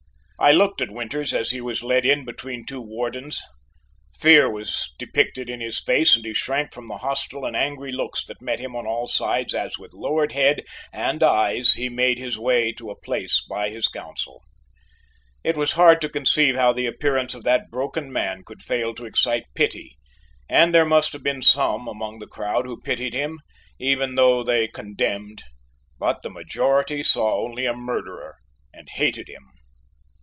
I looked at Winters as he was led in between two wardens. Fear was depicted in his face, and he shrank from the hostile and angry looks that met him on all sides as with lowered head and eyes he made his way to a place by his counsel. It was hard to conceive how the appearance of that broken man could fail to excite pity and there must have been some among the crowd who pitied him, even though they condemned: but the majority saw only a murderer and hated him.